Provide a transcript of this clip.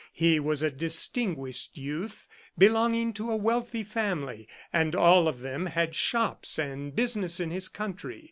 He was a distinguished youth belonging to a wealthy family, and all of them had shops and business in his country.